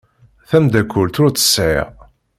Tamdakelt ur tt-sεiɣ.